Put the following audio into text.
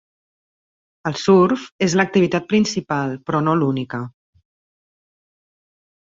El surf és l'activitat principal però no l'única.